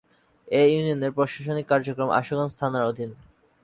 এ ইউনিয়নের প্রশাসনিক কার্যক্রম আশুগঞ্জ থানার আওতাধীন।